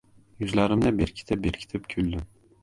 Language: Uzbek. yuzlarimni berkitib-berkitib kuldim.